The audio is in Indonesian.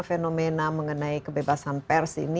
fenomena mengenai kebebasan pers